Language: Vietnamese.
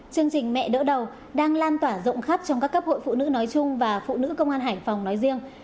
chương trình mẹ đỡ đầu đang lan tỏa rộng khắp trong các cấp hội phụ nữ nói chung và phụ nữ công an hải phòng nói riêng